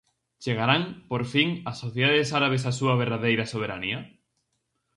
Chegarán, por fin, as sociedades árabes á súa verdadeira soberanía?